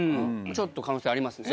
ちょっと可能性ありますね